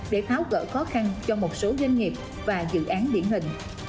để tháo gỡ khó khăn cho một số doanh nghiệp và dự án điển hình